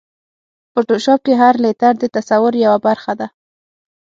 فوټوشاپ کې هر لېیر د تصور یوه برخه ده.